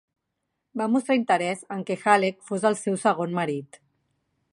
Va mostrar interès en què Halleck fos el seu segon marit.